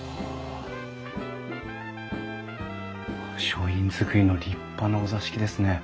書院造りの立派なお座敷ですね。